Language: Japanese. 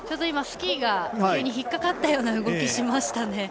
今、スキーが引っ掛かったような動きをしましたね。